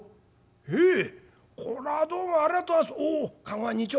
「へえこらどうもありがとうございます。